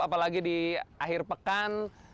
apalagi di akhir pekan